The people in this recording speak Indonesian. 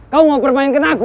kau mau permainkan aku